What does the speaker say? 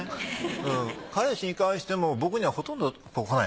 うん彼氏に関しても僕にはほとんど来ない。